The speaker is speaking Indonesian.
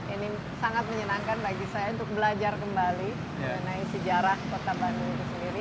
ini sangat menyenangkan bagi saya untuk belajar kembali mengenai sejarah kota bandung itu sendiri